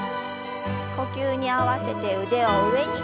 呼吸に合わせて腕を上に。